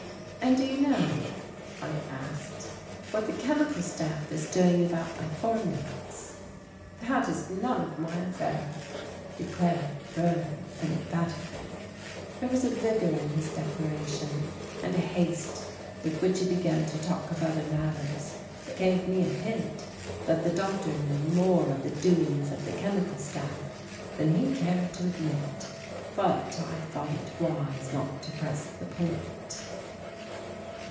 "And do you know," I asked, "what the chemical staff is doing about my formulas?" "That is none of my affair," declared Boehm, emphatically. There was a vigour in his declaration and a haste with which he began to talk of other matters that gave me a hint that the doctor knew more of the doings of the chemical staff than he cared to admit, but I thought it wise not to press the point.